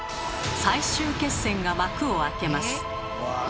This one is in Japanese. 最終決戦が幕を開けます！